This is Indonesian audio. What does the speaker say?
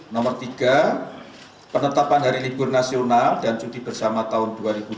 nomor tiga penetapan hari libur nasional dan cuti bersama tahun dua ribu dua puluh